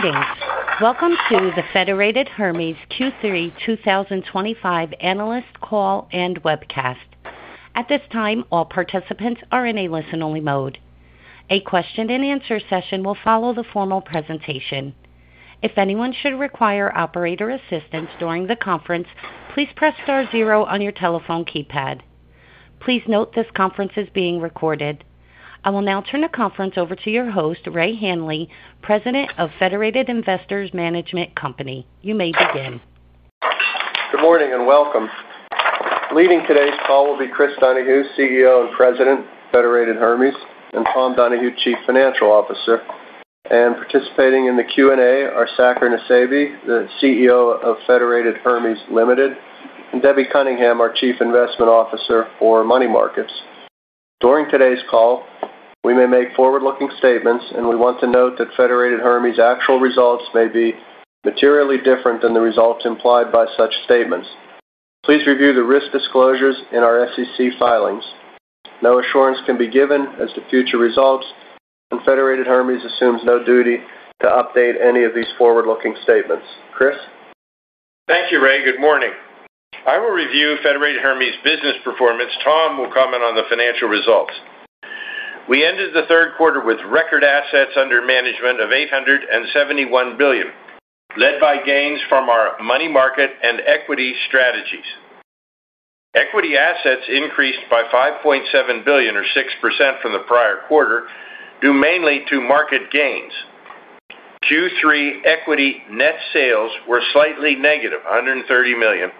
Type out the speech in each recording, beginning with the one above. Greetings. Welcome to the Federated Hermes Q3 2025 analyst call and webcast. At this time, all participants are in a listen-only mode. A question-and-answer session will follow the formal presentation. If anyone should require operator assistance during the conference, please press star zero on your telephone keypad. Please note this conference is being recorded. I will now turn the conference over to your host, Ray Hanley, President of Federated Investors Management Company. You may begin. Good morning and welcome. Leading today's call will be J. Christopher Donahue, CEO and President of Federated Hermes, and Tom Donahue, Chief Financial Officer. Participating in the Q&A are Saker Nusseibeh, the CEO of Federated Hermes Limited, and Debbie Cunningham, our Chief Investment Officer for Money Markets. During today's call, we may make forward-looking statements, and we want to note that Federated Hermes' actual results may be materially different than the results implied by such statements. Please review the risk disclosures in our SEC filings. No assurance can be given as to future results, and Federated Hermes assumes no duty to update any of these forward-looking statements. Chris? Thank you, Ray. Good morning. I will review Federated Hermes' business performance. Tom will comment on the financial results. We ended the third quarter with record assets under management of $871 billion, led by gains from our money market and equity strategies. Equity assets increased by $5.7 billion, or 6%, from the prior quarter, due mainly to market gains. Q3 equity net sales were slightly negative, $130 million,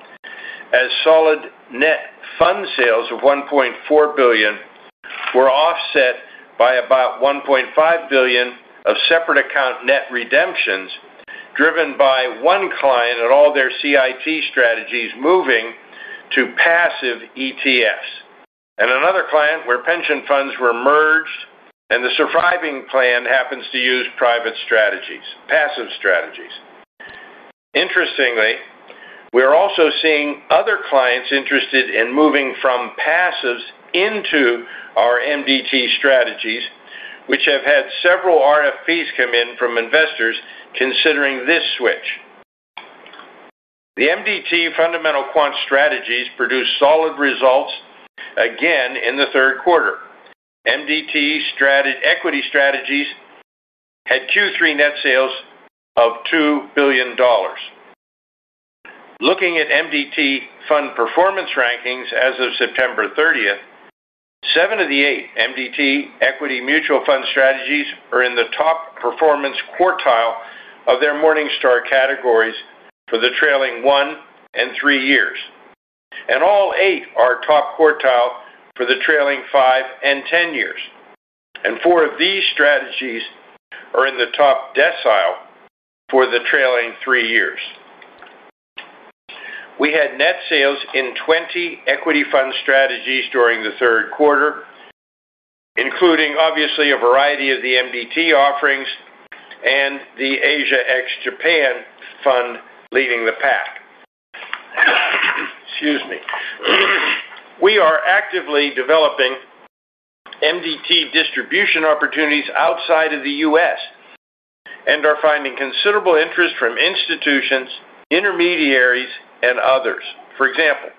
as solid net fund sales of $1.4 billion were offset by about $1.5 billion of separate account net redemptions driven by one client and all their CIT strategies moving to passive ETFs, and another client where pension funds were merged, and the surviving plan happens to use private strategies, passive strategies. Interestingly, we are also seeing other clients interested in moving from passives into our MDT strategies, which have had several RFPs come in from investors considering this switch. The MDT fundamental quant strategies produced solid results again in the third quarter. MDT equity strategies had Q3 net sales of $2 billion. Looking at MDT fund performance rankings as of September 30. Seven of the eight MDT equity mutual fund strategies are in the top performance quartile of their Morningstar categories for the trailing one and three years, and all eight are top quartile for the trailing five and ten years. Four of these strategies are in the top decile for the trailing three years. We had net sales in 20 equity fund strategies during the third quarter, including, obviously, a variety of the MDT offerings and the Asia X Japan fund leading the pack. We are actively developing MDT distribution opportunities outside of the U.S. and are finding considerable interest from institutions, intermediaries, and others. For example,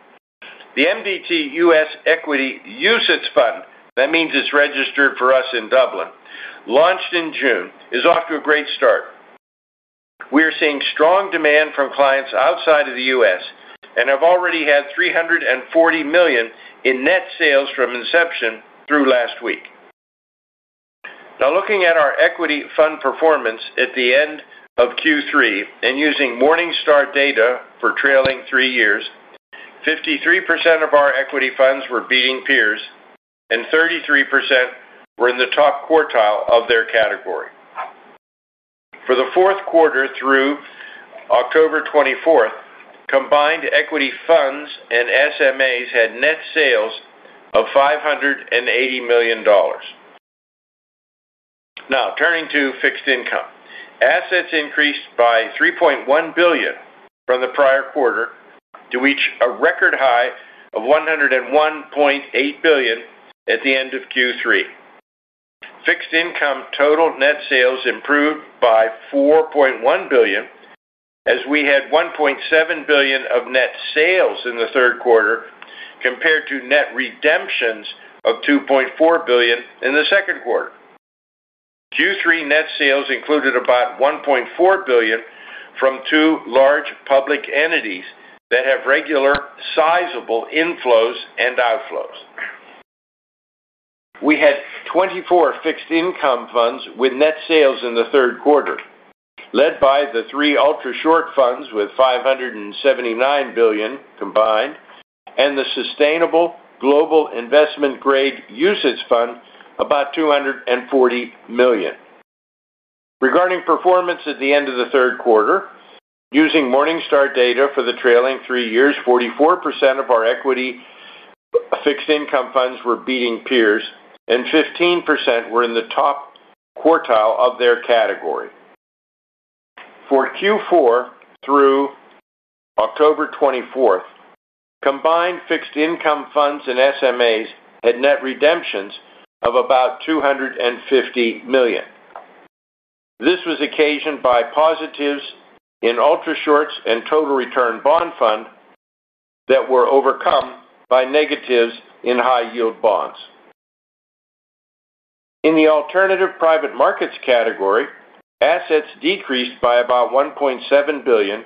the MDT US Equity UCITS fund, that means it's registered for us in Dublin, launched in June, is off to a great start. We are seeing strong demand from clients outside of the U.S. and have already had $340 million in net sales from inception through last week. Now, looking at our equity fund performance at the end of Q3 and using Morningstar data for trailing three years, 53% of our equity funds were beating peers, and 33% were in the top quartile of their category. For the fourth quarter through October 24th, combined equity funds and SMAs had net sales of $580 million. Now, turning to fixed income. Assets increased by $3.1 billion from the prior quarter, to reach a record high of $101.8 billion at the end of Q3. Fixed income total net sales improved by $4.1 billion, as we had $1.7 billion of net sales in the third quarter, compared to net redemptions of $2.4 billion in the second quarter. Q3 net sales included about $1.4 billion from two large public entities that have regular sizable inflows and outflows. We had 24 fixed income funds with net sales in the third quarter, led by the three ultra-short funds with $579 million combined and the sustainable global investment-grade UCITS fund, about $240 million. Regarding performance at the end of the third quarter, using Morningstar data for the trailing three years, 44% of our equity and fixed income funds were beating peers, and 15% were in the top quartile of their category. For Q4 through October 24th, combined fixed income funds and SMAs had net redemptions of about $250 million. This was occasioned by positives in ultra-shorts and total return bond fund that were overcome by negatives in high-yield bonds. In the alternative private markets category, assets decreased by about $1.7 billion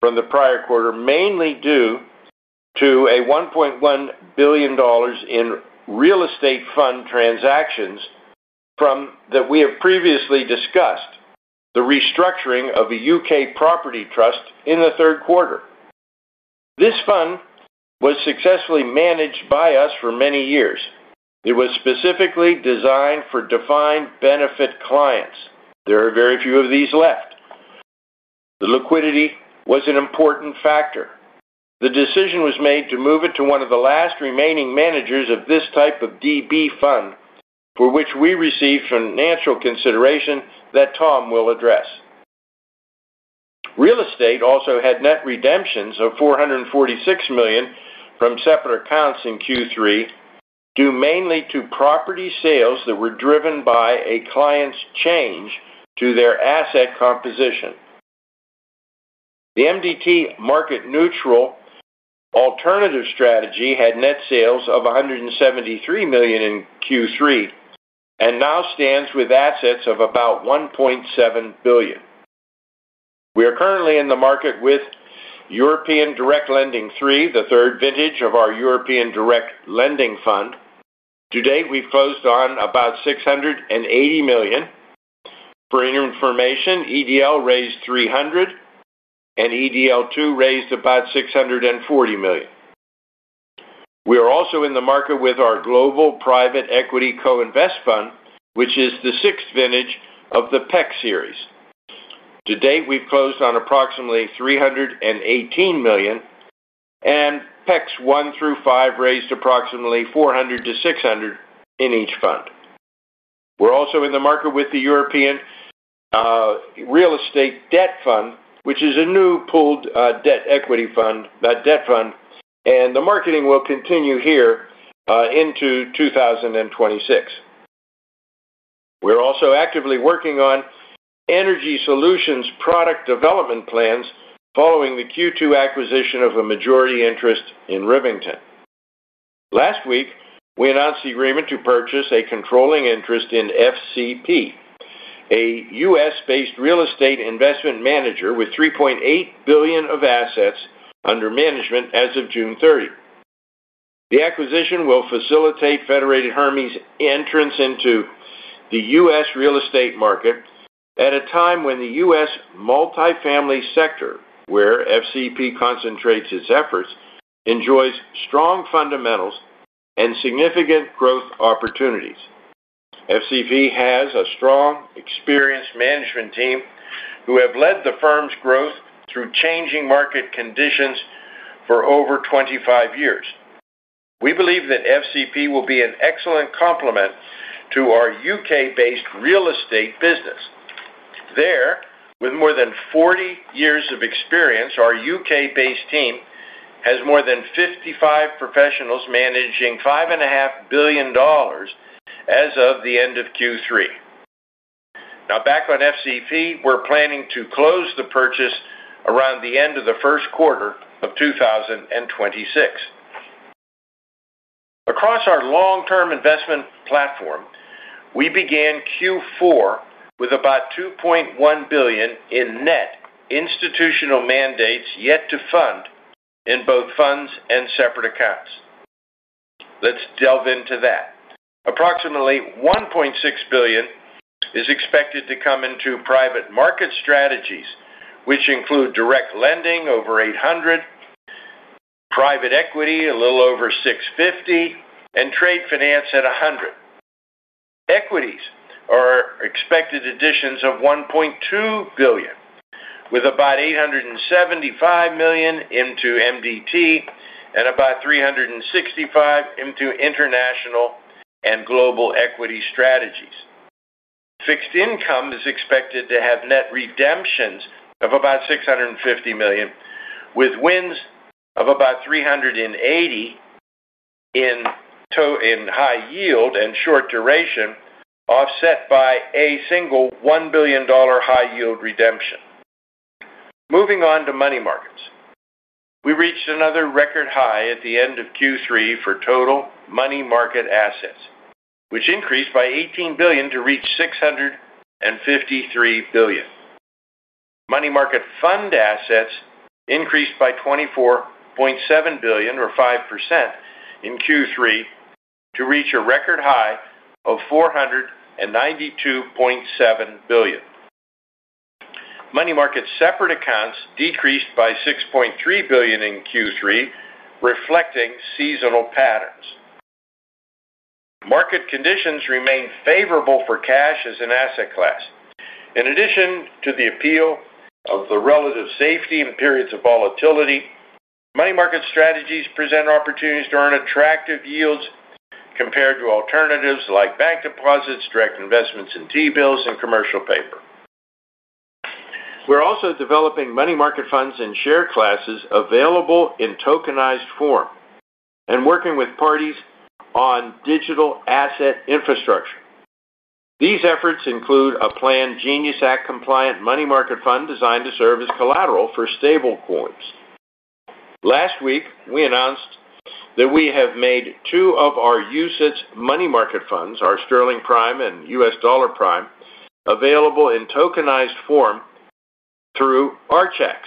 from the prior quarter, mainly due to $1.1 billion in real estate fund transactions from that we have previously discussed, the restructuring of a UK property trust in the third quarter. This fund was successfully managed by us for many years. It was specifically designed for defined benefit clients. There are very few of these left. The liquidity was an important factor. The decision was made to move it to one of the last remaining managers of this type of DB fund, for which we received financial consideration that Tom will address. Real estate also had net redemptions of $446 million from separate accounts in Q3, due mainly to property sales that were driven by a client's change to their asset composition. The MDT market-neutral alternative strategy had net sales of $173 million in Q3 and now stands with assets of about $1.7 billion. We are currently in the market with European Direct Lending III, the third vintage of our European Direct Lending Fund. Today, we've closed on about $680 million. For information, EDL raised $300 million, and EDL II raised about $640 million. We are also in the market with our Global Private Equity Co-Invest Fund, which is the sixth vintage of the PEC series. Today, we've closed on approximately $318 million, and PECs one through five raised approximately $400 million-$600 million in each fund. We're also in the market with the European Real Estate Debt Fund, which is a new pooled debt equity fund. The marketing will continue here into 2026. We're also actively working on Energy Solutions product development plans following the Q2 acquisition of a majority interest in Rivington. Last week, we announced the agreement to purchase a controlling interest in FCP, a U.S.-based real estate investment manager with $3.8 billion of assets under management as of June 30. The acquisition will facilitate Federated Hermes' entrance into the U.S. real estate market at a time when the U.S. multifamily sector, where FCP concentrates its efforts, enjoys strong fundamentals and significant growth opportunities. FCP has a strong, experienced management team who have led the firm's growth through changing market conditions for over 25 years. We believe that FCP will be an excellent complement to our UK-based real estate business. There, with more than 40 years of experience, our UK-based team has more than 55 professionals managing $5.5 billion as of the end of Q3. Now, back on FCP, we're planning to close the purchase around the end of the first quarter of 2026. Across our long-term investment platform, we began Q4 with about $2.1 billion in net institutional mandates yet to fund in both funds and separate accounts. Let's delve into that. Approximately $1.6 billion is expected to come into private market strategies, which include direct lending over $800 million, private equity a little over $650 million, and trade finance at $100 million. Equities are expected additions of $1.2 billion, with about $875 million into MDT and about $365 million into international and global equity strategies. Fixed income is expected to have net redemptions of about $650 million, with wins of about $380 million in high yield and short duration, offset by a single $1 billion high-yield redemption. Moving on to money markets, we reached another record high at the end of Q3 for total money market assets, which increased by $18 billion to reach $653 billion. Money market fund assets increased by $24.7 billion, or 5%, in Q3 to reach a record high of $492.7 billion. Money market separate accounts decreased by $6.3 billion in Q3, reflecting seasonal patterns. Market conditions remain favorable for cash as an asset class. In addition to the appeal of the relative safety and periods of volatility, money market strategies present opportunities to earn attractive yields compared to alternatives like bank deposits, direct investments in T-bills, and commercial paper. We're also developing money market funds and share classes available in tokenized form, working with parties on digital asset infrastructure. These efforts include a planned Genius Act-compliant money market fund designed to serve as collateral for stablecoins. Last week, we announced that we have made two of our UCITS money market funds, our Sterling Prime and U.S. Dollar Prime, available in tokenized form through Archax.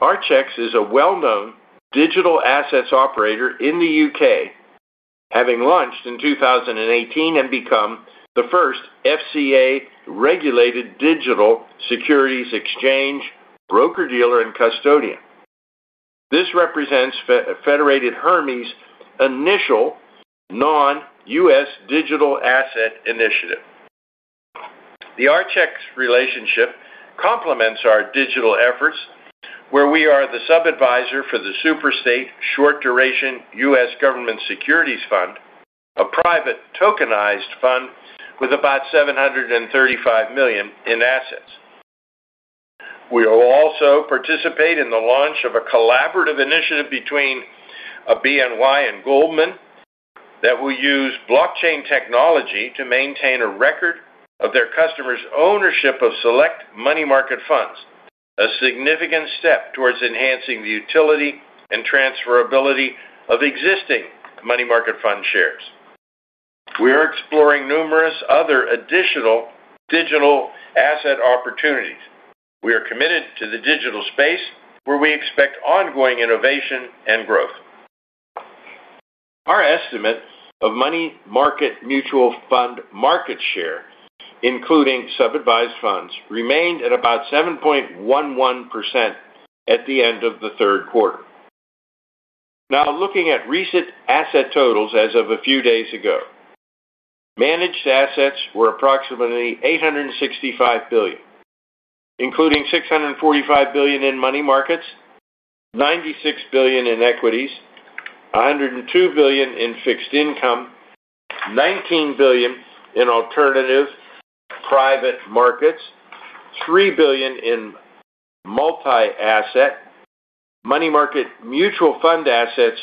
Archax is a well-known digital assets operator in the UK, having launched in 2018 and become the first FCA-regulated digital securities exchange, broker-dealer, and custodian. This represents Federated Hermes' initial non-U.S. digital asset initiative. The Archax relationship complements our digital efforts, where we are the sub-advisor for the Super State Short Duration U.S. Government Securities Fund, a private tokenized fund with about $735 million in assets. We will also participate in the launch of a collaborative initiative between BNY Mellon and Goldman Sachs that will use blockchain technology to maintain a record of their customers' ownership of select money market funds, a significant step towards enhancing the utility and transferability of existing money market fund shares. We are exploring numerous other additional digital asset opportunities. We are committed to the digital space, where we expect ongoing innovation and growth. Our estimate of money market mutual fund market share, including sub-advised funds, remained at about 7.11% at the end of the third quarter. Now, looking at recent asset totals as of a few days ago, managed assets were approximately $865 billion, including $645 billion in money markets, $96 billion in equities, $102 billion in fixed income, $19 billion in alternative private markets, and $3 billion in multi-asset. Money market mutual fund assets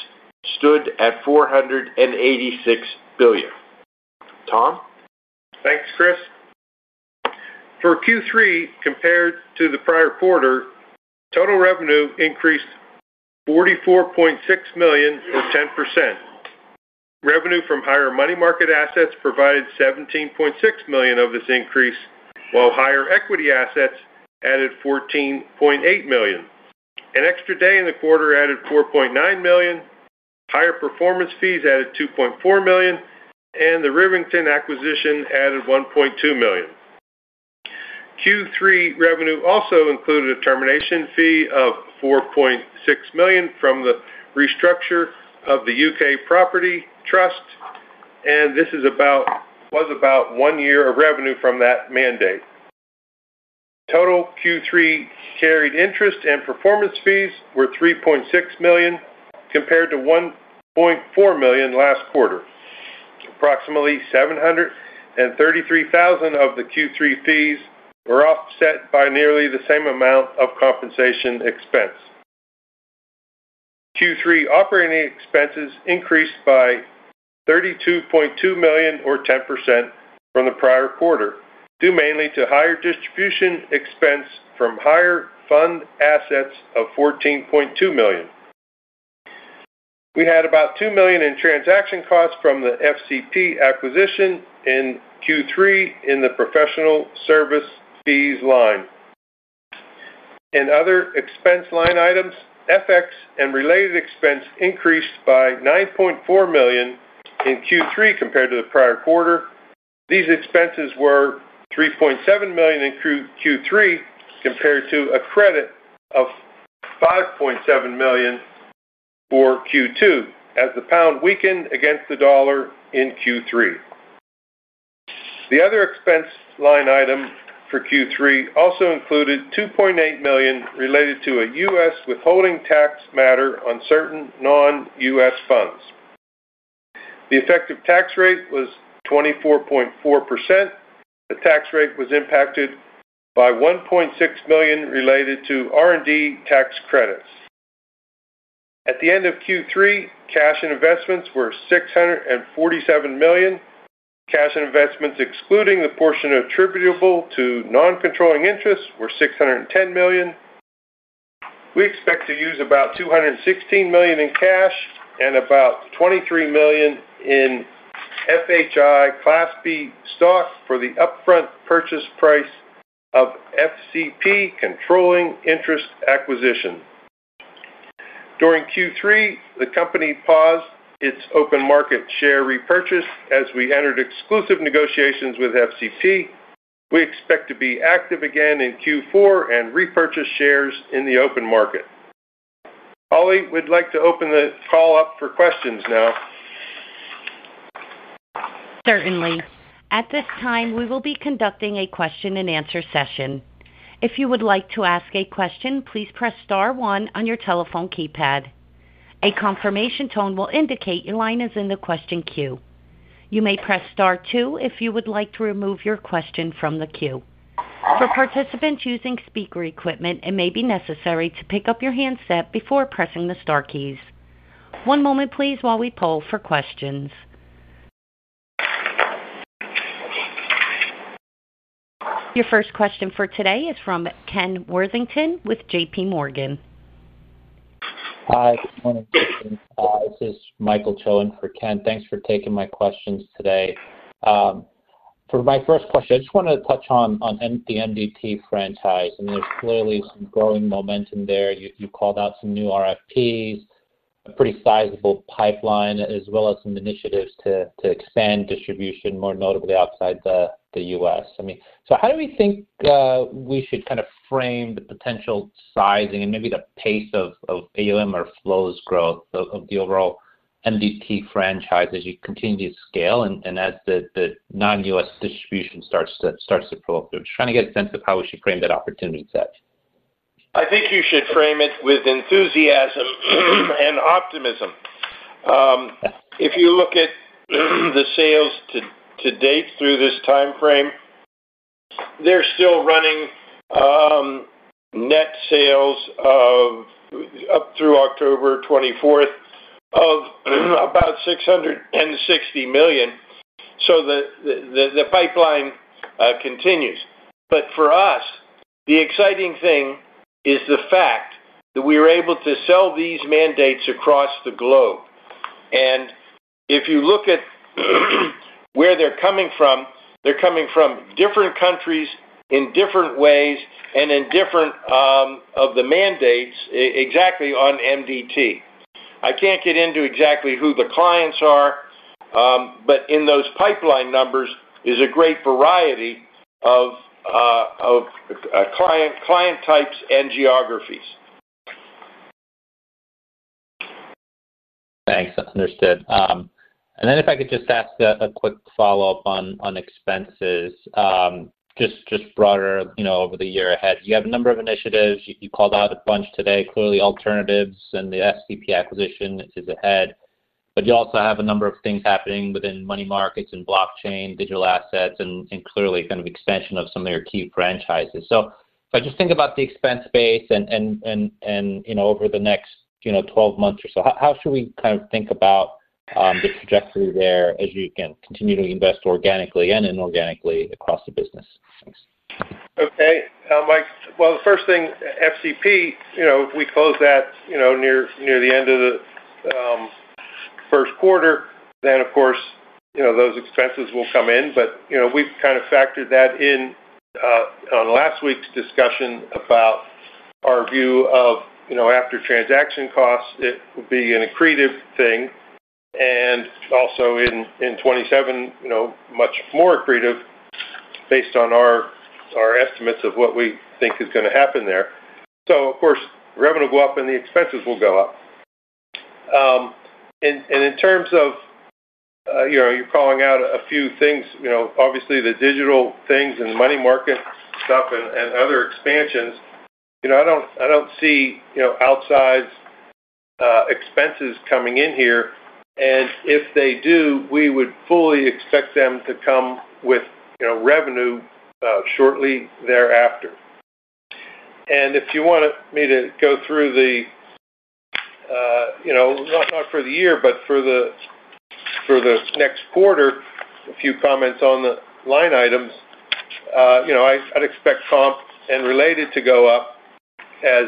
stood at $486 billion. Tom? Thanks, Chris. For Q3, compared to the prior quarter, total revenue increased $44.6 million or 10%. Revenue from higher money market assets provided $17.6 million of this increase, while higher equity assets added $14.8 million. An extra day in the quarter added $4.9 million, higher performance fees added $2.4 million, and the Rivington acquisition added $1.2 million. Q3 revenue also included a termination fee of $4.6 million from the restructure of the UK property trust, and this was about one year of revenue from that mandate. Total Q3 carried interest and performance fees were $3.6 million compared to $1.4 million last quarter. Approximately $733,000 of the Q3 fees were offset by nearly the same amount of compensation expense. Q3 operating expenses increased by $32.2 million, or 10%, from the prior quarter, due mainly to higher distribution expense from higher fund assets of $14.2 million. We had about $2 million in transaction costs from the FCP acquisition in Q3 in the professional service fees line. In other expense line items, FX and related expense increased by $9.4 million in Q3 compared to the prior quarter. These expenses were $3.7 million in Q3 compared to a credit of $5.7 million for Q2 as the pound weakened against the dollar in Q3. The other expense line item for Q3 also included $2.8 million related to a U.S. withholding tax matter on certain non-U.S. funds. The effective tax rate was 24.4%. The tax rate was impacted by $1.6 million related to R&D tax credits. At the end of Q3, cash and investments were $647 million. Cash and investments, excluding the portion attributable to non-controlling interest, were $610 million. We expect to use about $216 million in cash and about $23 million in FHI Class B stock for the upfront purchase price of FCP controlling interest acquisition. During Q3, the company paused its open market share repurchase as we entered exclusive negotiations with FCP. We expect to be active again in Q4 and repurchase shares in the open market. Holly, we'd like to open the call up for questions now. Certainly. At this time, we will be conducting a question-and-answer session. If you would like to ask a question, please press star one on your telephone keypad. A confirmation tone will indicate your line is in the question queue. You may press star two if you would like to remove your question from the queue. For participants using speaker equipment, it may be necessary to pick up your handset before pressing the star keys. One moment, please, while we poll for questions. Your first question for today is from Ken Worthington with JPMorgan. Hi. Good morning, Kristen. This is Michael Choen for Ken. Thanks for taking my questions today. For my first question, I just want to touch on the MDT franchise. I mean, there's clearly some growing momentum there. You called out some new RFPs, a pretty sizable pipeline, as well as some initiatives to expand distribution, more notably outside the U.S. I mean, so how do we think we should kind of frame the potential sizing and maybe the pace of AUM or flows growth of the overall MDT franchise as you continue to scale and as the non-U.S. distribution starts to pull through? Just trying to get a sense of how we should frame that opportunity set. I think you should frame it with enthusiasm and optimism. If you look at the sales to date through this timeframe, they're still running. Net sales up through October 24th of about $660 million. The pipeline continues. For us, the exciting thing is the fact that we were able to sell these mandates across the globe. If you look at where they're coming from, they're coming from different countries in different ways and in different of the mandates exactly on MDT. I can't get into exactly who the clients are, but in those pipeline numbers is a great variety of client types and geographies. Thanks. Understood. If I could just ask a quick follow-up on expenses, just broader over the year ahead. You have a number of initiatives. You called out a bunch today. Clearly, alternatives and the FCP acquisition is ahead. You also have a number of things happening within money markets and blockchain, digital assets, and clearly kind of extension of some of your key franchises. If I just think about the expense base and over the next 12 months or so, how should we kind of think about the trajectory there as you continue to invest organically and inorganically across the business? Thanks. The first thing, FCP, if we close that near the end of the first quarter, then, of course, those expenses will come in. We've kind of factored that in on last week's discussion about our view of after transaction costs. It would be an accretive thing. Also in 2027, much more accretive based on our estimates of what we think is going to happen there. Of course, revenue will go up and the expenses will go up. In terms of you're calling out a few things, obviously the digital things and money market stuff and other expansions, I don't see outside expenses coming in here. If they do, we would fully expect them to come with revenue shortly thereafter. If you want me to go through the, not for the year, but for the next quarter, a few comments on the line items. I'd expect comp and related to go up, as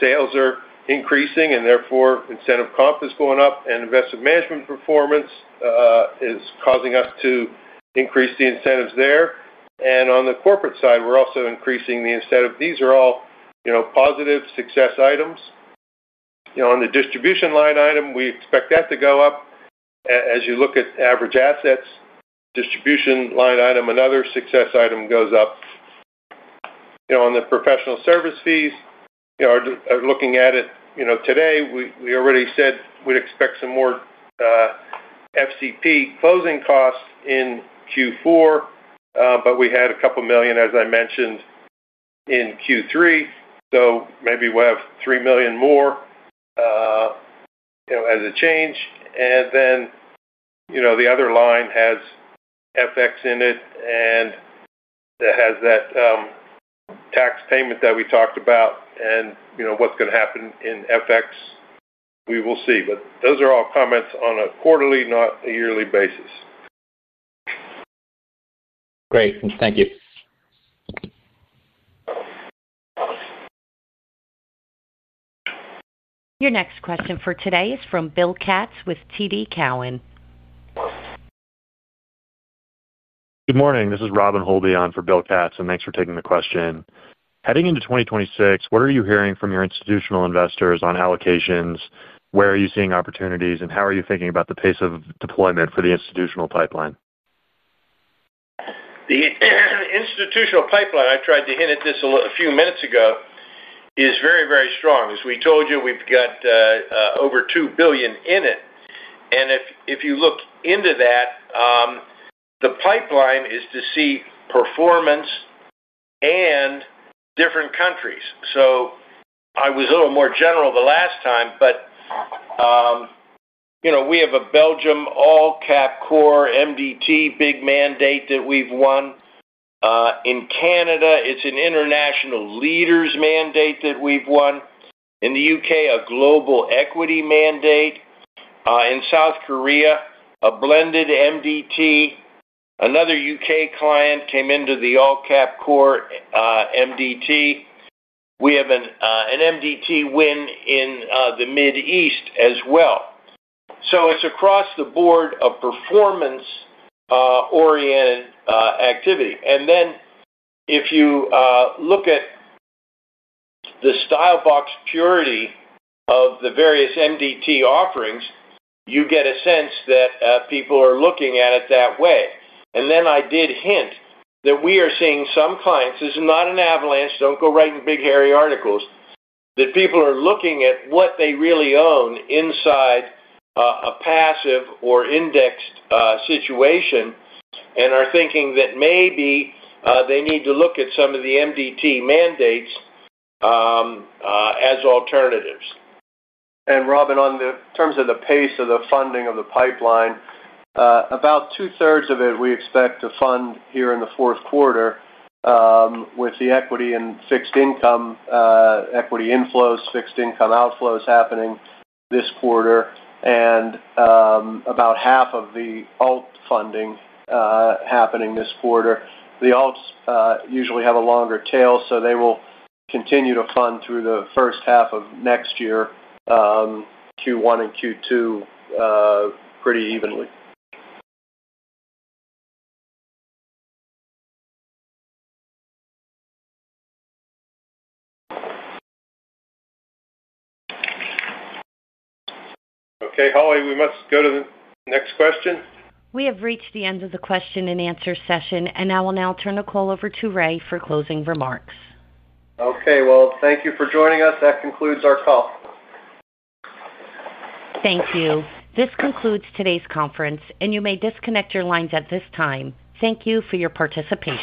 sales are increasing and therefore incentive comp is going up, and investment management performance is causing us to increase the incentives there. On the corporate side, we're also increasing the incentive. These are all positive success items. On the distribution line item, we expect that to go up. As you look at average assets, distribution line item, another success item goes up. On the professional service fees, looking at it today, we already said we'd expect some more FCP closing costs in Q4, but we had a couple of million, as I mentioned, in Q3. Maybe we'll have $3 million more as a change. The other line has FX in it, and that has that tax payment that we talked about. What's going to happen in FX, we will see. Those are all comments on a quarterly, not a yearly basis. Great, thank you. Your next question for today is from Bill Katz with TD Cowen. Good morning. This is Robin Holbey on for Bill Katz, and thanks for taking the question. Heading into 2026, what are you hearing from your institutional investors on allocations? Where are you seeing opportunities, and how are you thinking about the pace of deployment for the institutional pipeline? The institutional pipeline, I tried to hint at this a few minutes ago, is very, very strong. As we told you, we've got over $2 billion in it. If you look into that, the pipeline is to see performance and different countries. I was a little more general the last time, but we have a Belgium all-cap core MDT big mandate that we've won. In Canada, it's an international leaders mandate that we've won. In the UK, a global equity mandate. In South Korea, a blended MDT. Another UK client came into the all-cap core MDT. We have an MDT win in the Mid East as well. It's across the board of performance-oriented activity. If you look at the style box purity of the various MDT offerings, you get a sense that people are looking at it that way. I did hint that we are seeing some clients—this is not an avalanche, don't go writing big hairy articles—that people are looking at what they really own inside a passive or indexed situation and are thinking that maybe they need to look at some of the MDT mandates as alternatives. Robin, on the terms of the pace of the funding of the pipeline, about two-thirds of it we expect to fund here in the fourth quarter. With the equity and fixed income equity inflows, fixed income outflows happening this quarter, and about half of the alt funding happening this quarter. The alts usually have a longer tail, so they will continue to fund through the first half of next year, Q1 and Q2, pretty evenly. Okay. Holly, we must go to the next question. We have reached the end of the question and answer session, and I will now turn the call over to Ray for closing remarks. Thank you for joining us. That concludes our call. Thank you. This concludes today's conference, and you may disconnect your lines at this time. Thank you for your participation.